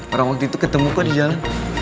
orang waktu itu ketemu kok di jalan